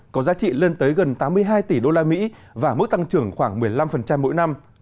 có giá trị lên tới gần tám mươi hai tỷ usd và mức tăng trưởng khoảng một mươi năm mỗi năm